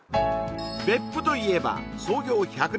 別府といえば創業１００年